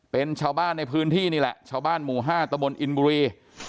เป็นชาวบ้านในพื้นที่นี่แหละชาวบ้านหมู่๕ตะบนอินบุรี